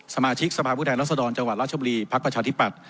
สมาชิกสภาพฤทธานรสดรจังหวัดราชบุรีพรรคประชาธิปัตย์